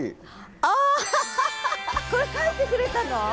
あこれ描いてくれたの？